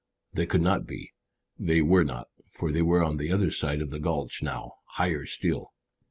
They could not be. They were not, for they were on the other side of the gulch now, higher still.